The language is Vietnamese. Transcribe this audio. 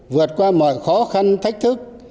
vượt qua mọi khó khăn thách thức